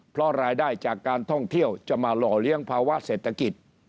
เพราะรายได้จากการท่องเที่ยวจะมาหล่อเลี้ยงภาวะเศรษฐกิจ